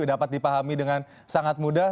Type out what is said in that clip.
dapat dipahami dengan sangat mudah